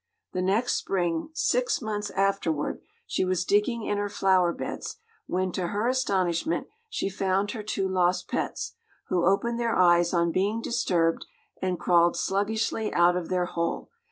The next spring, six months afterward, she was digging in her flower beds, when, to her astonishment, she found her two lost pets, who opened their eyes on being disturbed, and crawled sluggishly out of their hole.